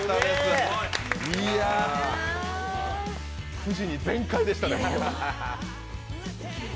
９時に全開でしたね。